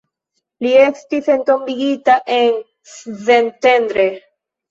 Li estis entombigita en Szentendre.